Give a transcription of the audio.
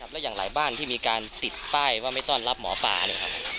แล้วอย่างหลายบ้านที่มีการติดป้ายว่าไม่ต้อนรับหมอปลาเนี่ยครับ